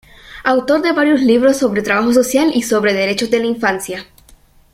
Autor de varios libros sobre Trabajo Social y sobre Derechos de la Infancia.